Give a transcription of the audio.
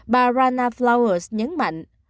bà rana flowers nhấn mạnh